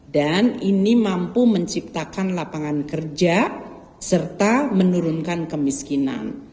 dan ini mampu menciptakan lapangan kerja serta menurunkan kemiskinan